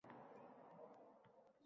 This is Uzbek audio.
Yaxshi etvoling.